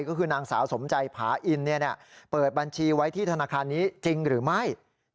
ก็คือนางสาวสมใจผาอินเปิดบัญชีไว้ที่ธนาคารนี้จริงหรือไม่